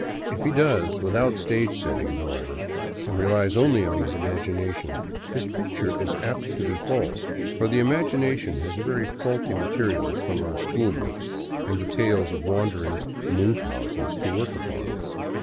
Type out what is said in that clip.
If he does without stage setting, however, and relies only on his imagination, his picture is apt to be false, for the imagination has very faulty materials from our school books and the tales of wandering Miinchausens to work upon.